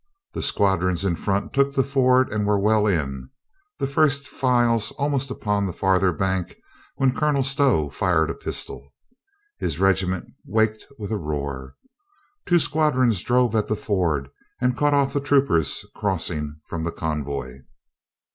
The squadrons in front took the ford and were well in, the first files almost upon the farther bank, when Colonel Stow fired a pistol. His regiment waked with a roar. Two squadrons drove at the ford and cut off the troopers crossing from the convoy.